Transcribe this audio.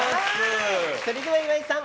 それでは岩井さん